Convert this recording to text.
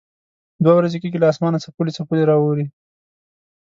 دوه ورځې کېږي له اسمانه څپولی څپولی را اوري.